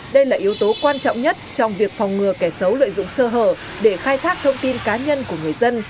đây là yếu tố quan trọng nhất trong việc phòng ngừa kẻ xấu lợi dụng sơ hở để khai thác thông tin cá nhân của người dân